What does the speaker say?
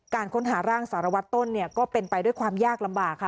การค้นหาร่างสารวัตรต้นก็เป็นไปด้วยความยากลำบากค่ะ